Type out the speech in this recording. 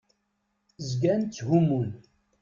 Zgan tthumun.